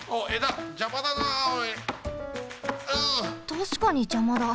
たしかにじゃまだ。